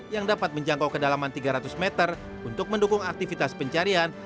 yang dapat menjangkau kedalaman tiga ratus meter untuk mendukung aktivitas pencarian